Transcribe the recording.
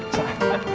saya merasa